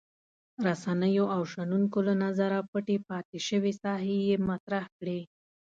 رسنیو او شنونکو له نظره پټې پاتې شوې ساحې یې مطرح کړې.